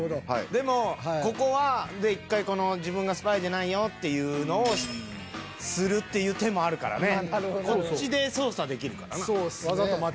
でもここは１回自分がスパイじゃないよっていうのをするっていう手もあるからね。